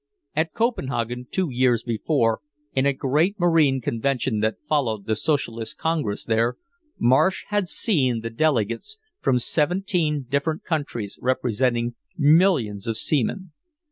At Copenhagen, two years before, in a great marine convention that followed the socialist congress there, Marsh had seen the delegates from seventeen different countries representing millions of seamen.